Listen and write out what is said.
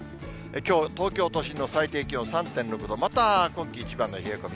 きょう、東京都心の最低気温３．６度、また今季一番の冷え込み。